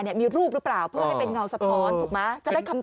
มีรูปหรือเปล่าเพื่อให้เป็นเงาสะท้อนถูกไหมจะได้คำ